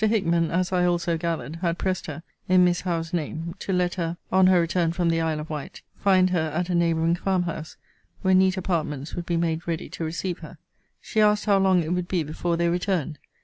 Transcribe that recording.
Hickman, as I also gathered, had pressed her, in Miss Howe's name, to let her, on her return from the Isle of Wight, find her at a neighbouring farm house, where neat apartments would be made ready to receive her. She asked how long it would be before they returned?